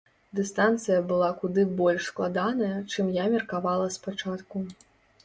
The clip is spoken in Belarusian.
Дыстанцыя была куды больш складаная, чым я меркавала спачатку.